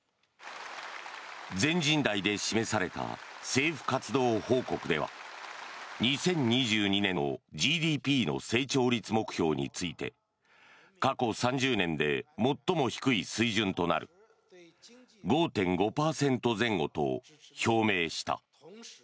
全人代で示された政府活動報告では２０２２年のＧＤＰの成長率目標について過去３０年で最も低い水準となる５．５％前後と表明した。